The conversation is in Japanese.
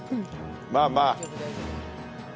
まあまあ。